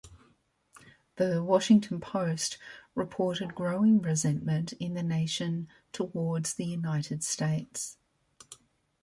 "The Washington Post" reported growing resentment in the nation towards the United States.